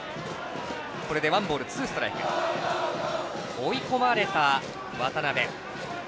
追い込まれた渡邉。